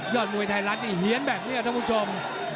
ยอดมุยไทยรัฐเหี้ยนแบบนี้นะทุกผู้ชม